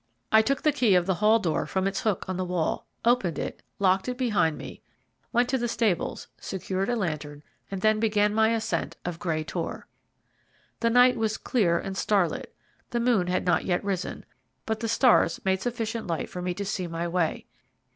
I took the key of the hall door from its hook on the wall, opened it, locked it behind me, went to the stables, secured a lantern, and then began my ascent of Grey Tor. The night was clear and starlit, the moon had not yet risen, but the stars made sufficient light for me to see my way.